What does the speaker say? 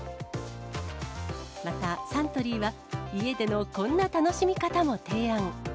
またサントリーは、家でのこんな楽しみ方も提案。